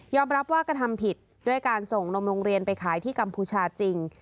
รับว่ากระทำผิดด้วยการส่งนมโรงเรียนไปขายที่กัมพูชาจริง